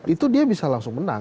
itu dia bisa langsung menang